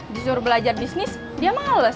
disuruh belajar bisnis dia males